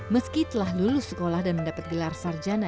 meski telah lulus sekolah dan mendapat gelar sarjana